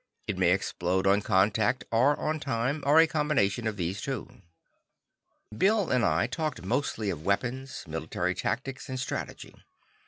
It may explode on contact or on time, or a combination of these two. Bill and I talked mostly of weapons, military tactics and strategy.